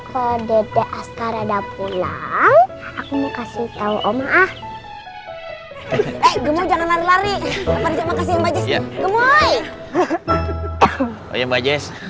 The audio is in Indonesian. kalau dede askarada pulang aku kasih tahu maaf eh jangan lari lari makasih ya mbak jess